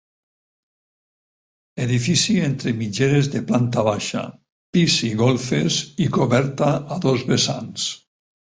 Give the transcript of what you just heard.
Edifici entre mitgeres de planta baixa, pis i golfes i coberta a dos vessants.